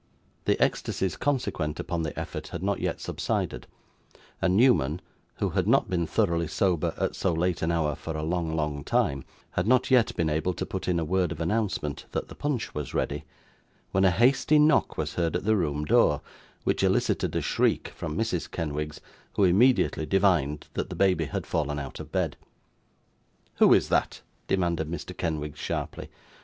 The ecstasies consequent upon the effort had not yet subsided, and Newman (who had not been thoroughly sober at so late an hour for a long long time,) had not yet been able to put in a word of announcement, that the punch was ready, when a hasty knock was heard at the room door, which elicited a shriek from Mrs. Kenwigs, who immediately divined that the baby had fallen out of bed. 'Who is that?' demanded Mr. Kenwigs, sharply.